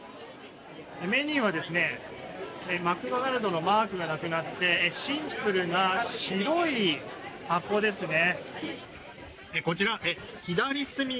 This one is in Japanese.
メニューは、マクドナルドのマークがなくなってシンプルな白い箱ですね。